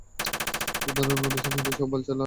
আমার ধারণা ওরা স্বাধীনতাসহ বালছাল আরো কিছু বলেছে।